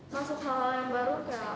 masuk hal hal yang baru kayak